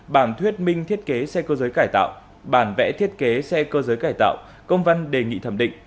bản thuyết minh thiết kế xe cơ giới cải tạo bản vẽ thiết kế xe cơ giới cải tạo công văn đề nghị thẩm định